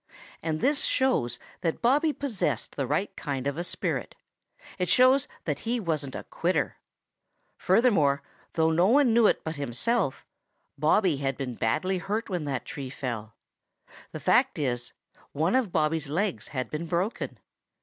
And this shows that Bobby possessed the right kind of a spirit. It shows that he wasn't a quitter. Furthermore, though no one knew it but himself, Bobby had been badly hurt when that tree fell. The fact is, one of Bobby's legs had been broken.